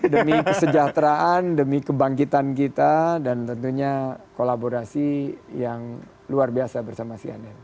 demi kesejahteraan demi kebangkitan kita dan tentunya kolaborasi yang luar biasa bersama cnn